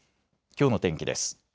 きょうの天気です。